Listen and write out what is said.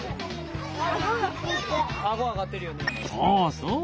そうそう。